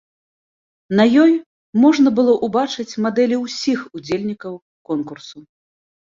На ёй можна было ўбачыць мадэлі ўсіх удзельнікаў конкурсу.